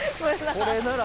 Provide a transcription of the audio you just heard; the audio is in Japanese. これなら。